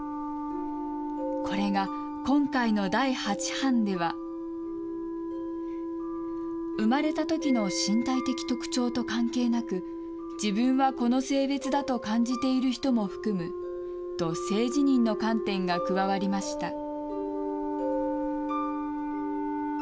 これが今回の第八版では、生まれたときの身体的特徴と関係なく、自分はこの性別だと感じている人も含むと、性自認の観点が加わりました。